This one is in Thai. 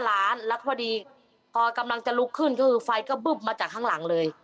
ร้านแล้วพอดีพอกำลังจะลุกขึ้นก็คือไฟก็บึ้มมาจากข้างหลังเลย